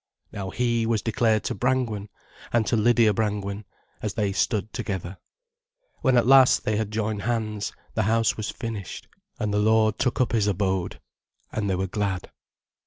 Now He was declared to Brangwen and to Lydia Brangwen, as they stood together. When at last they had joined hands, the house was finished, and the Lord took up his abode. And they were glad.